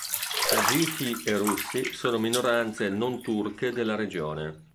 Tagiki e Russi sono minoranze non-turche della regione.